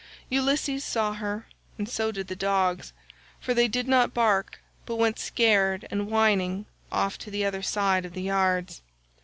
Ulysses saw her, and so did the dogs, for they did not bark, but went scared and whining off to the other side of the yards.